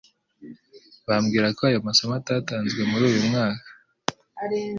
Bambwira ko ayo masomo, atatanzwe muri uyu mwaka.